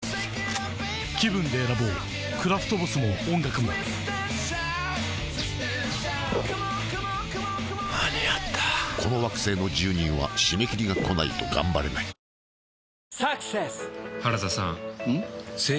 気分で選ぼうクラフトボスも音楽もゴクッ間に合ったこの惑星の住人は締め切りがこないとがんばれないゴクッ「サクセス」